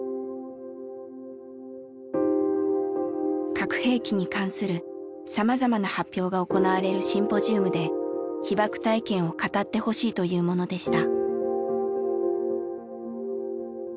核兵器に関するさまざまな発表が行われるシンポジウムで被爆体験を語ってほしいというものでした。